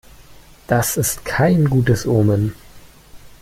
Das ist kein gutes Omen.